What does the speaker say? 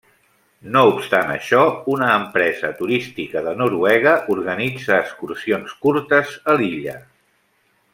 No obstant això, una empresa turística de Noruega organitza excursions curtes a l'illa.